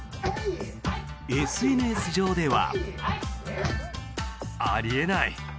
ＳＮＳ上では。